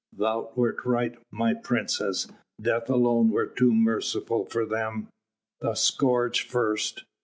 thou wert right, my princess! Death alone were too merciful for them.... The scourge first